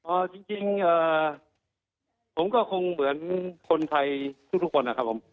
จริงจริงเอ่อผมก็คงเหมือนคนไทยทุกทุกคนนะครับผม